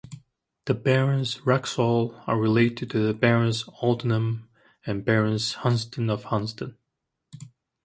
The Barons Wraxall are related to the Barons Aldenham and Barons Hunsdon of Hunsdon.